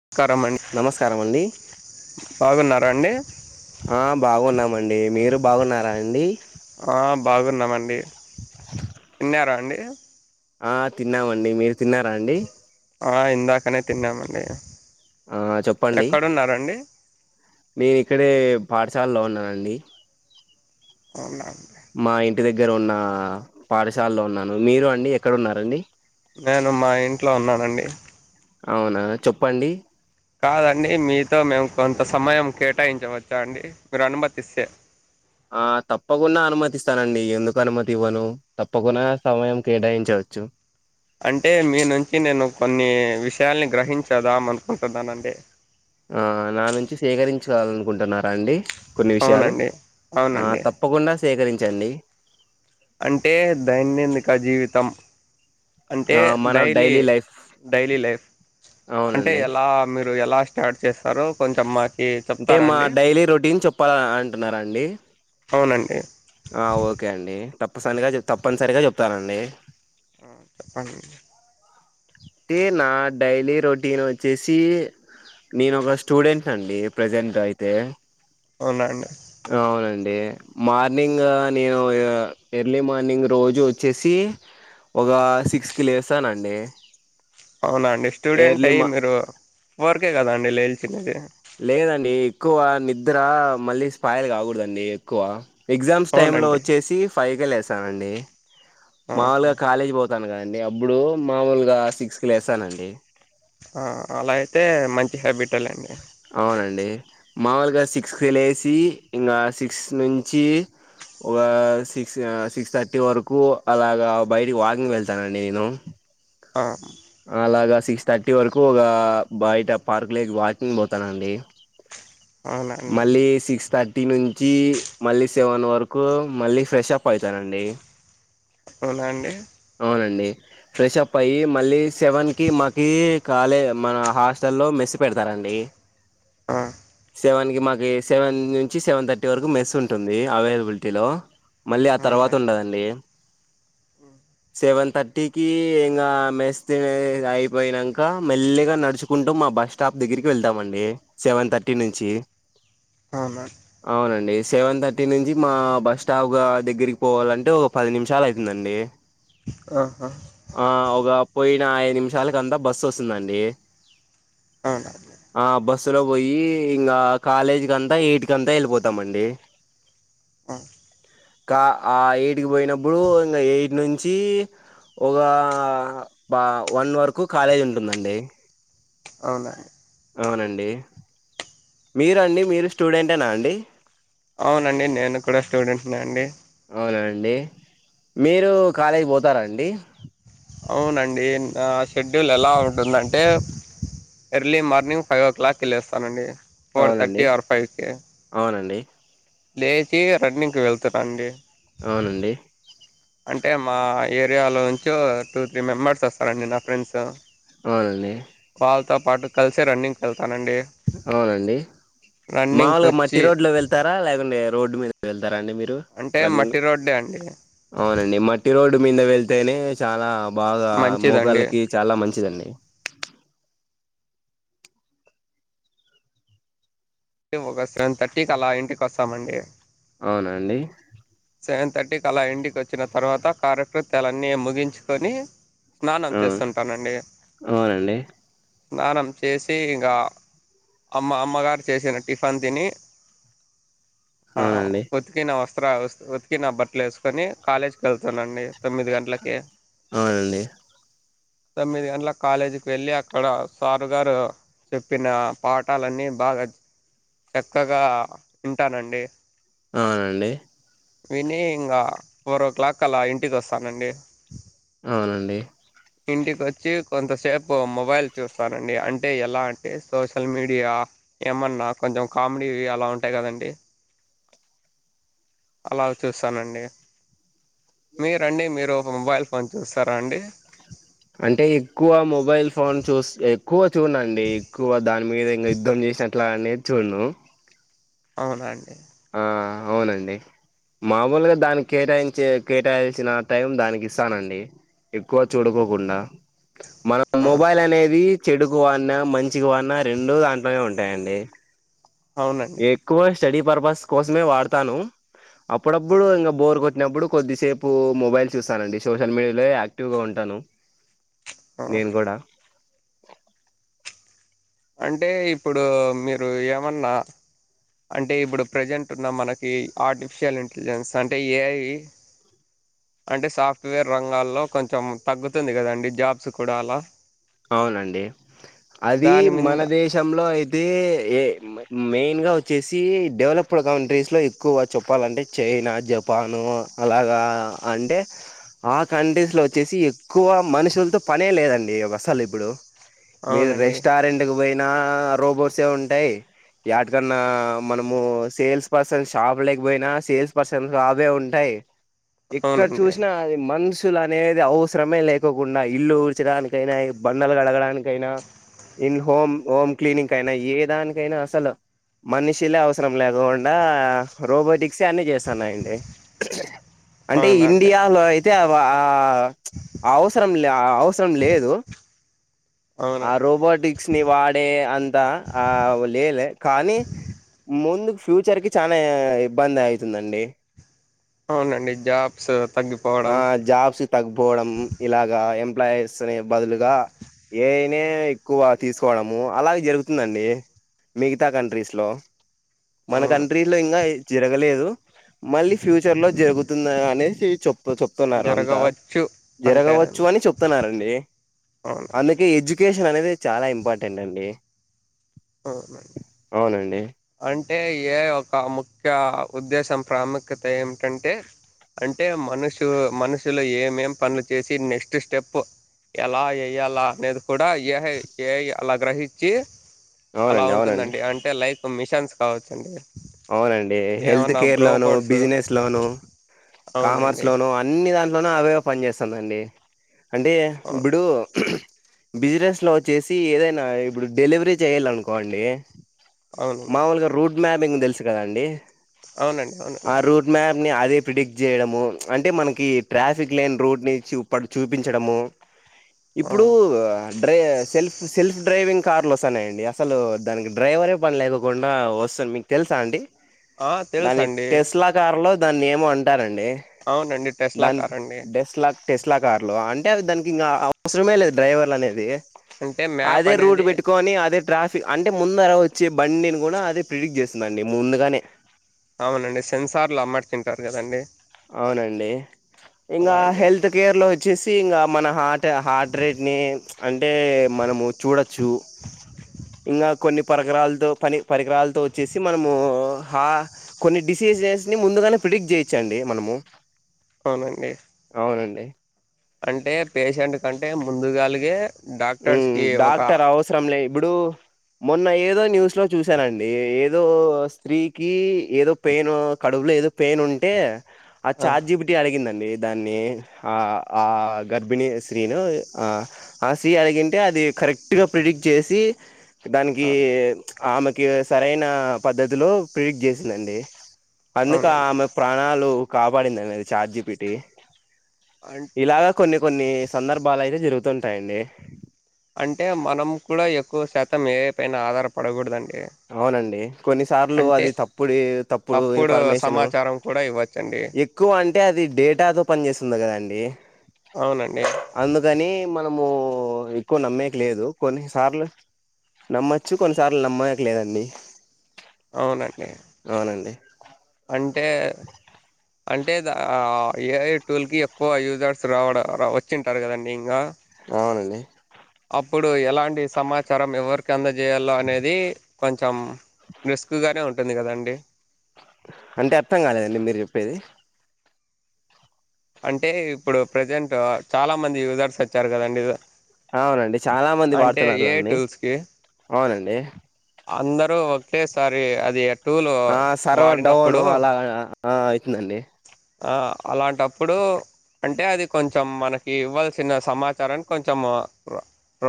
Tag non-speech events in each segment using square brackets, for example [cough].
నమస్కారం అండి నమస్కారం అండి బాగున్నారా అండి ఆ బాగున్నామండి మీరు బాగున్నారా అండి ఆ బాగున్నామండి తిన్నారా అండి అ ఆ తిన్నామండి మీరు తిన్నారా అండి ఆ ఇందాకనే తిన్నామండి ఆ చెప్పండి ఎక్కడున్నారండి నేను ఇక్కడే పాఠశాలలో ఉన్నానండి అవునా మా ఇంటి దగ్గర ఉన్న పాఠశాలలో ఉన్నాను మీరు అండి ఎక్కడ ఉన్నారండి నేను మా ఇంట్లో ఉన్నానండి అవునా చెప్పండి కాదండి మీతో మేము కొంత సమయం కేటాయించవచ్చ అండి మీరు అనుమతిస్తే ఆ తప్పకుండా అనుమతిస్తానండి ఎందుకు అనుమతి ఇవ్వను తప్పకుండ సమయం కేటాయించవచ్చు అంటే మీ నుంచి నేను కొన్ని విషయాలని గ్రహించేద్దాం అనుకుంటున్నానండి ఆ నా నుంచి సేకరించుకోవాలనుకుంటున్నారా అండి కొన్ని విషయాలు అవునండి ఆ అవునండి తప్పకుండా సేకరించండి అంటే దైనందిక జీవితం అంటే ఆ మన డైలీ లైఫ్ డైలీ లైఫ్ అంటే అవునండి ఎలా ఎలా స్టార్ట్ చేస్తారు కొంచెం అంటే మా చెప్తారాండి డైలీ రొటీన్ చెప్పాల అంటున్నా అండి అవునండి తప్పసరిగా తప్పనిసరిగా చెప్తానండి చెప్పండి అంటే నా డైలీ రొటీన్ వచ్చేసి నేను ఒక స్టూడెంట్ అండి ప్రెజెంట్ అయితే అవునండి అవునండి మార్నింగ్ నేను ఎర్లీ మార్నింగ్ రోజు వచ్చేసి ఒక సిక్స్కి లేస్తానండి అవునా అండి స్టూడెంట్ ఎర్లీ మా అయ్యి మీరు ఫోర్ కె కదండి లేయల్ చ్చినది లేదండి ఎక్కువ నిద్ర మళ్ళీ స్పాయలు కాకూడదండి ఎక్కువ ఎగ్జామ్స్ టైమ్ లో అవునండి వచ్చేసి ఫైవ్ కె లేస్ చవెన్ డి ఆహా మల్ల కాలేజీ పోతాం అవునండిఅప్పుడు మామూలుగా సిక్స్త్ కి లేస్సానండి ఆ అలా అయితే మంచి హ్యాబిటే లేండి అవునండి మాముూలుగా సిక్స్కి లేసి ఇంగా సిక్స్ నుంచి ఒక సిక్స్ సిక్స్ థర్టీ వరకు అలాగ బయటికి వాకింగ్కి వెళ్తానండి నేను, ఆ అలాగా సిక్ థర్టీ వరకు ఒక బయట పార్క్లోకి వాకింగ్ పోతానండి అవునండి మళ్ళీ సిక్స్ థర్ టీ నుంచి మళ్ళీ సెవెన్ వరకు మళ్ళీ ఫ్రెషప్ అయితానండి అవునా అండి అవునండి ఫ్రెష్ అప్ అయ్యి మళ్ళీ సెవెన్ కి మాకి కాలే మా హాస్టల్లో మెస్ పెడతారండి ఆ సెవెన్ కి మాకు సెవెన్ నుంచి సెవెన్ థర్టీ వరకు మెస్ ఉంటుంది అవైలబిలిటీలో మళ్ళీ ఆ తర్వాత అవునండి ఉండదండి సెవెన్ థర్టీకి ఇంగ మెస్తే అయిపోయినంక మెల్లిగా నడుచుకుంటూ మా బస్ స్టాప్ దగ్గరికి వెళ్తామండి సెవెన్ థర్టీ నుంచి, అవునండి అవునండి సెవెన్ థర్టీ నుంచి మా బస్ స్టాప్గా దగ్గరికి పోవాలంటే ఒక పది నిమిషాలు అయితుందండి ప్చ్ ఆహా ఆ ఒగ పోయిన ఐదు నిమిషాలకు అంతా బస్ వస్సుందండి అవునండి ఆ బస్ స్సు లో పోయి ఇంకా కాలేజీ కంతా యెయిట్ కంతా వెళ్ళిపోతామండి, ఆ క ఆ ఎయిట్కి పోయినప్పుడు ఇంగ ఎయిట్ నుం చ్చి ఒక బ వన్ వరకు కాలేజ్ ఉంటుందండి అవునా అవునండి, మీరండి మీరు స్టూడెంటేనా అండి అవునండి నేను కూడా స్టూడెంట్ నే అండి అవునా అండి మీరు కాలేజ్ పోతారా అండి అవునండి నా షెడ్యూల్ ఎలా ఉంటుందంటే ఎర్లీ మార్నింగ్ ఫైవ్ ఓ క్లాక్కి లేస్తానండి ఫోర్ అవునండి థర్టీ ఆర్ ఫైవ్ కి అవునండి లేచి రన్నింగ్ కి వెళ్తానండి అవునండి అంటే మా ఏరియాలోంచో టూ త్రీ మెంబర్స్ వస్తారండి నా ఫ్రెండ్స్ అవునండి తో పాటు కలిసే రన్నింగ్ కెళ్తానండి అవునండి మాముూలుగా మట్టి వచ్చి రోడ్ లో వెళ్తారా లేకుంటే రోడ్డు మీద వెళ్దా రండి మీరు అంటే రన్నింగ్, మట్టి రోడ్డే అండి అవునండి మట్టి రోడ్ మీద వెళ్తేనే చాలా బాగా మంచిదండి మోకాళ్ళకి చాలా మంచిదండి ఒక సెవెన్ థర్టీకి అలా ఇంటికి వస్తామండి అవునండి సెవెన్ థర్టీకి అలా ఇంటికి వచ్చిన తర్వాత కారెక్టర్ తలన్నీ ముగించుకొని స్నానం ఆ చేస్తుంటానండి అవునండి స్నానం చేసి ఇంకా అమ్మ అమ్మగారి చేసిన టిఫన్ తిని ఆ అవునండి కొతికి నా వస్త అ ఉతికి నా బట్టలు వేసుకొని కాలేజ్కి వెళ్తానండి తమ్మిదిగంట్ల కీ అవునండి తొమ్మిది గంటల కాలేజీకి వెళ్ళి అక్కడ సారు గారు చెప్పిన పాఠాలన్నీ బాగా చక్కగా వింటానండి అవునండి విని ఇంకా ఫోర్ ఓ క్లాక్ అలా ఇంటికి వస్తానండి అవునండి ఇంటికి వచ్చి కొంతసేపు మొబైల్ చూస్తానండి అంటే ఎలా అంటే సోషల్ మీడియా ఏమన్నా కొంచెం కామెడీ అలా ఉంటాయి కదండి అలా చూస్తానండి మీరండి మీరు ఒక మొబైల్ ఫోన్ చూస్తారా అండి అంటే ఎక్కువ మొబైల్ ఫోన్ చూసి ఎక్కువ చూడ్ నుండి ఎక్కువ దాని మీద ఇంకా యుద్ధం చేసా అట్లోనే చూడనూ అవునండి ఆ అవునండి మామూలుగా దానికి కేటాయించే కేటాయాల్సిన టైం దానికి ఇస్తానండి ఎక్కువ చూడుకోకుండా మనం అవును. మొబైల్ అనేది చెడుకు వాన్న మంచికి వన రెండు దాంట్లోనే ఉంటాయండి అవునండి ఎక్కువ వర్ష స్టడీ పర్పస్ కోసమే వాడతాను అప్పుడప్పుడు ఇంకా బోర్క కోట్ ఇచ్చినప్పుడు కొద్దిసేపు మొబైల్ చూస్తానండి సోషల్ మీడియాలో యాక్టివ్ గా ఉంటాను ఆహా. నేను కూడా అ అంటే ఇప్పుడు మీరు ఏమన్నా అంటే ఇప్పుడు ప్రజెంట్ ఉన్న మనకి ఆర్టిఫిషియల్ ఇంటెలిజెన్స్ అంటే ఏఐ అంటే సాఫ్ట్వేర్ రంగాల్లో కొంచెం తగ్గుతుంది కదండి జాబ్స్ కూడా అలా అవునండి అది దాని మన మింద దేశంలో అయితే ఏ మెయిన్గా వచ్చేసి డెవలప్డ్ కంట్రీస్ లో ఎక్కువ గా చెప్పాలంటే చైనా జపాను అలాగా అంటే ఆ కంట్రీస్ లో వచ్చేసి ఎక్కువ మనుషులతో పనే లేదండి వాళ్ళకి మసాలేపుడు మీరు అవునండి రెస్టారెంటు కి పోయి ఆ రోబోట్సే ఉంటాయి. ఎటికన్నా మనము సేల్స్ పర్సన్ షాప్ లేకపోయినా సేల్స్ పర్సన్ షాపే ఉంటాయి. ఎక్కడ అవునండి చూసినా అది మనస్ వ్యక్తులు అనేది అవసరమే లేకకుండా ఇల్లు ఊడ్చడానికైనా వ్యక్ బండలు కడగడానికైనా ఇన్ హోమ్ హోమ్ క్లీనింగ్ కి అయినా ఏ దానికైనా అసలు మనిషిలే అవసరం లేకకుండా రోబోటిక్ క్షన్ని చేస్తున్నాయండి అంటే అవునండి ఇండియాలో అయితే ఆ ఆ అవసరం లే ఆ అవసరం లేదు. ఆ అవునండి రోబోటిక్స్ ని వాడే అంతా ఆ లేలే కానీ ముందుకు ఫ్యూచర్ కి చానా ఇబ్బంది ఐతుందండి. అవునండి జాబ్స్ ఆ తగ్గిపోవడం జాబ్స్ తగ్గిపోవడం ఇలాగా ఎం ఎంప్లాయీస్ బదులుగా ఏఐనే ఎక్కువ తీసుకోవడము అలాగే జరుగుతుందండి మిగతా కంట్రీస్లో మన అవును కంట్రీ లో ఇంకా ఇది జరగలేదు. మళ్ళీ ఫ్యూచర్ లో జరుగుతుంది అనేసి చెప్ చెప్తున్నారు అంతా జరగవచ్చు అంటే జరగవచ్చు అని చెప్తున్నారండి. అవునండి అందుకే ఎడ్యుకేషన్ అనేది చాలా ఇంపార్టెంట్ అండి. అవున అవునండి అం అంటే ఏఐ ఒక ముఖ్య ఉద్దేశం ప్రాముఖ్యత ఏమిటంటే అంటే మనుషు మనుషులు ఏమేం పనులు చేసి నెక్స్ట్ స్టెప్ ఎలా ఏయాల అనేది కూడా ఏఐ ఏఐ అలా గ్రహించి అలా అవునండి అవునండి ఉంటుందండి అంటే లైక్ మిషన్స్ కావచ్చండి అవునండి హెల్త్ ఏమన్నా కేర్ లోను రోబోట్స్ బిజినెస్ లోను కామర్స్ అవునండి లోను అన్నీ దాని [unintelligible] పని చేస్తుందండి అంటే అవును ఇప్పుడు బిజినెస్ లో వచ్చేసి ఏదైనా ఇప్పుడు డెలివరీ చేయ్యాలి అనుకోండి. అవునండి మాములుగా రోడ్ మ్యార్ణింగ్ తెల్స్ [unintelligible] కదా అండి అవునండి ఆ అవునండి రూట్ మేన్ ని ఆది ప్రిడిక్ట్ చేయడము అంటే మనకి ట్రాఫిక్ లైన్ రోడ్ ని చూపడ్ చూపించడము ఆ! ఇప్పుడు డ్రే సెల్ఫ్ సెల్ఫ్ డ్రైవింగ్ కార్లు వస్తాన్నాయండి అసలు దానికి డ్రైవరే పని లేకకుండా వస్తాన్ మీకు తెల్స్ సాండి ఆ! నాది తెలుసండి టెస్లా కార్లో దాన్ని ఏమో అం టారండి అవునండి టెస్లా దాని కార్ అండి డెస్ లాక్ టెస్లా కార్లు అంటె అవి దానికి ఇంక అవసరమే లేదు డ్రైవర్లు అనేది అంటే మ్యాప్ అదే రూట్ అనేది పెట్టుకోని అదె ట్రాఫిక్ అంటె ముందర వచ్చే బండిని కూడ అది ప్రిడిక్ట్ చేస్ దండి ముందుగానె అవునండి సెన్సార్లు అమర్చింటారు కదండి అవునండి ఇంకా అండి హెల్త్ కేర్ లొ వచ్చేసి ఇంక మన హార్ట్ హార్ట్ రేట్ని అంటె మనము చూడచ్చు ఇంకా కొన్ని పరికరాలతో పని పరికరాలతో వచ్చేసి మనము కొన్ని డిసీజెస్ని ముందుగానే ప్రిడిక్ట్ చేయొచ్చండి. మనము అవునండి అవునండి అంటె పేషెంట్ కంటె ముందుగాలిగె ఉ డాక్టర్ అవసరంలే ఇ బ్బుడు మొన్న ఏదో న్యూస్ లొ చూసానండి ఏదో స్త్రీకి ఏదో పెయిన్ కడుపులొ ఏదొ పెయిన్ ఉంటే ఆ చాట్ జీ పి టీ ఆడిగిందండి దాన్ని ఆ ఆ గర్భిణీ స్త్రీనొ ఆ అస్ స్త్రీ అడిగింటె అది కరెక్ట్ గ ప్రిడిక్ట్ చేసి దానికి ఆ ఆమె కి సరైన పద్ధతిలొ ప్రెడిక్ట్ చేసిందండి అవునండి అందుకామె ప్రాణాలు కాపాడిందండి అది చాట్ జిపీటి అం ఇలాగ కొన్ని కొన్ని సందర్భాలు అయితె జరుగుతుంటాయి అండి అంటె మనం కూడ ఎక్కువ శాతం మొత్తం ఏ ఐ పైన ఆధారపడకూడదండి. అవునండి కొన్నిసార్లు అంటే అది తప్పుడె తప్పుడు ఇన్ఫర్మేషను సమాచారం కూడా ఇవ్వచ్చండి ఎక్కువ అంటె అది డేటాతొ పనిచేస్తుంది కదండి అవునండి అందుకని మనము పోయ్ ఎక్కువ నమ్మేకి లేదు కొన్నిసార్లు నమ్మచ్చు కొన్నిసార్లు నమ్మెక్ లేదండి అవునండి అవునండి అంటే అంటే దా ఆ ఏఐ టూల్ కి ఎక్కువ యూజర్స్ రావడ రా వచ్చింటారు కదండి ఇంకా అవునండి అప్పుడు ఎలాంటి సమాచారం ఎవరికి అందజేయల్ల అనేది కొంచెం రిస్క్ గానె ఉంటుంది కదండి అంటే అర్థం కాలేదండి మీరు చెప్పేది అంటే ఇప్పుడు ప్రజెంట్ చాలా మంది యూజర్స్ వచ్చారు కదండి అవునండి చాలా మంది అంటే వాడుతున్నారు ఏఐ దాన్ని టూల్స్కి అవునండి అందరూ ఒక్కేసారి అది టూల్ ఆహ్ సర్వర్ డౌను వాడినప్పుడు అలా ఆహ్ అయితుందండి ఆహ్ అలాంటప్పుడు అంటే అది కొంచెం మనకి ఇవ్వాల్సిన సమాచారాన్ని కొంచెం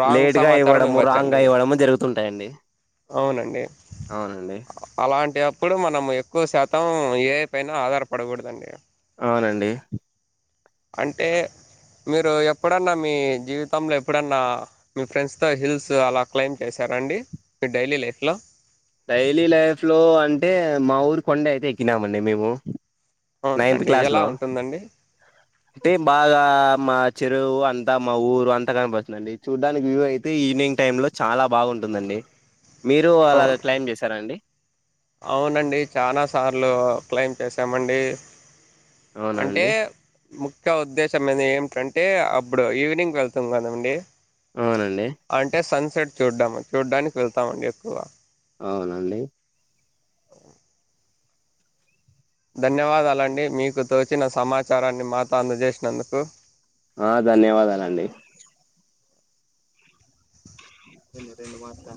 రాంగ్ లేట్ గా సమాచారం ఇవ్వడము రాంగ్ గా ఇవ్వచ్చండి ఇవ్వడము జరుగుతుంటాయండి అవునండి ఆవునండి ఎప్పుడు మనం ఎక్కువ శాతం ఏఐ పైన ఆధారపడకూడదండి అవునండి అంటే మీరు ఎప్పుడన్నా మీ జీవితంలో ఎప్పుడన్నా మీ ఫ్రెండ్స్తో హిల్స్ అలా క్లైంబ్ చేశారండి మీ డైలీ లైఫ్లో డైలీ లైఫ్ లో అంటే మా ఊరి కొండ అయితే ఎక్కినామండి మేము అవున నైన్త్ అండి క్లాస్ ఎలా లో ఉంటుందండి అంటే బాగా మా చెరువు అంతా మా ఊరు అంతా కనపాచండీ చూడ్డానికి వ్యూ అయితే ఈవినింగ్ టైమ్ లో చాలా బాగుంటుందండి. మీరు అలాగ అవును క్లైమ్బ్ చేశారా అండి. అవునండి చాలా సార్లు క్లైమ్ చేసామండి అంటే అవునండి ము ఇంకా ఉద్దేశం అది ఏమిటంటే అప్పుడు ఈవినింగ్ వెళ్తాం కదండి అవునండి సట్ చూధాం చూడ్డానికి వెళ్తామండి ఎక్కువ అవునండి ధన్యవాదాలండి మీకు తోచిన సమాచారాన్ని మాతో అందజేసినందుకు ఆహ్ ధన్యవాదాలండి ఎ రెండు మాట్లా